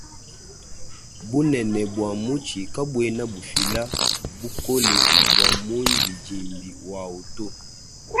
Bunene bua mutshi kabuena bufila bukole bua mundi dimbi wawuto.